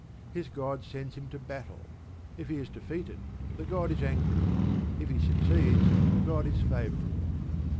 His god sends him to battle. If he is defeated, the god is angry; if he succeeds, the god is favourable.